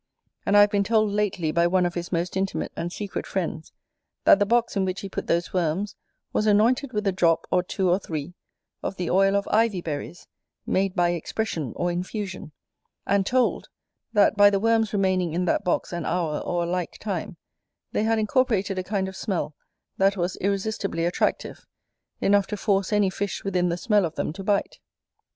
And I have been told lately, by one of his most intimate and secret friends, that the box in which he put those worms was anointed with a drop, or two or three, of the oil of ivy berries, made by expression or infusion; and told, that by the worms remaining in that box an hour, or a like time, they had incorporated a kind of smell that was irresistibly attractive, enough to force any fish within the smell of them to bite.